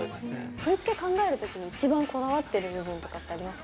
振り付け考えるときに一番こだわってる部分とかってありますか？